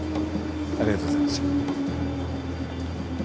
ありがとうございます。